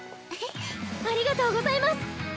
ありがとうございます！